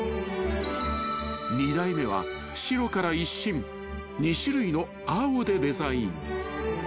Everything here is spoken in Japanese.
［二代目は白から一新２種類の青でデザイン］